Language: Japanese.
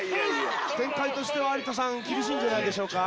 展開としては有田さん厳しいんじゃないでしょうか。